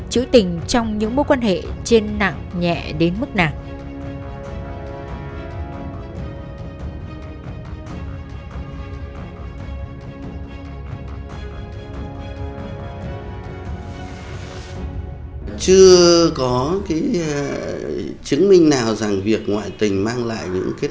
chữ tình trong những mối quan hệ của người tình